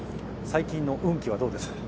◆最近の運気はどうですか。